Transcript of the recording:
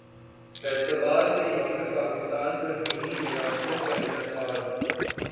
فیصل ابادمیںیوم پاکستان پر mini marathon کا انعقاد